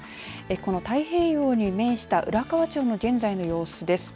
この太平洋に面した浦河町の現在の様子です。